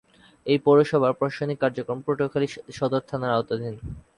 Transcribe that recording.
এ পৌরসভার প্রশাসনিক কার্যক্রম পটুয়াখালী সদর থানার আওতাধীন।